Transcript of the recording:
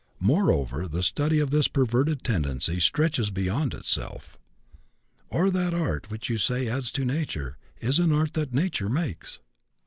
Moreover, the study of this perverted tendency stretches beyond itself; "O'er that art Which you say adds to Nature, is an art That Nature makes."